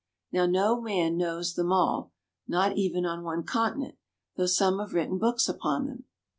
Now no man knows them all, not even on one continent, though some have written books upon them.